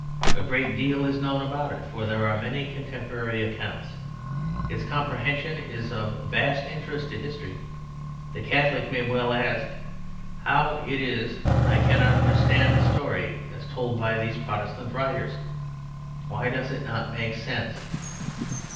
A great deal is known about it, for there are many contemporary accounts. Its comprehension is of vast interest to history. The Catholic may well ask: "How it is I cannot understand the story as told by these Protestant writers? Why does it not make sense?"